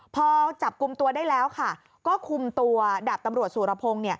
พอจับกลุ่มตัวได้แล้วก็คุมตัวดาบตำรวจสุรพงศ์